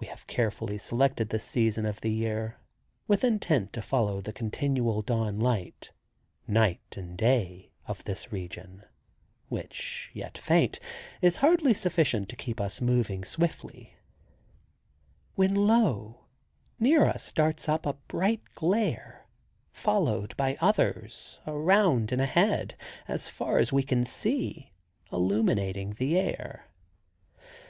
We have carefully selected this season of the year, with intent to follow the continual dawn light—night and day—of this region, which yet faint, is hardly sufficient to keep us moving swiftly, when, lo, near us darts up a bright glare, followed by others, around and ahead, as far as we can see, illumining the air.